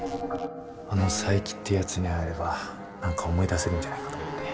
あの佐伯ってやつに会えれば何か思い出せるんじゃないかと思って。